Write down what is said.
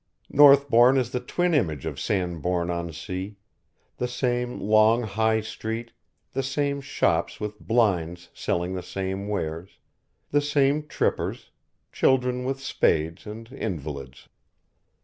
Northbourne is the twin image of Sandbourne on Sea, the same long high street, the same shops with blinds selling the same wares, the same trippers, children with spades, and invalids.